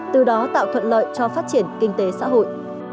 từ đó tạo thuận lợi cho phát triển kinh tế xã hội